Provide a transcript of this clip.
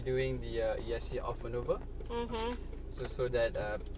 ตามทุกคนโดนพันธ์